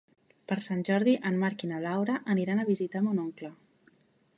Per Sant Jordi en Marc i na Laura aniran a visitar mon oncle.